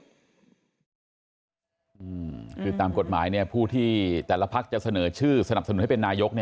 คือตามกฎหมายผู้ที่แต่ละพักจะเสนอชื่อสนับสนุนให้เป็นนายก